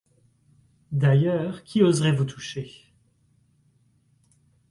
D'ailleurs qui oserait vous toucher ?